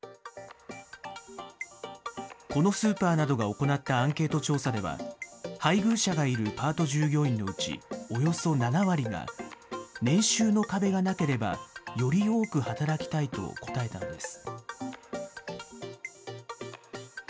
このスーパーなどが行ったアンケート調査では、配偶者がいるパート従業員のうち、およそ７割が、年収の壁がなければ、より多く働きたいと答えたのです。